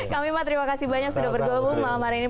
kang bima terima kasih banyak sudah bergabung malam hari ini